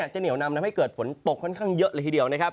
จะเหนียวนำทำให้เกิดฝนตกค่อนข้างเยอะเลยทีเดียวนะครับ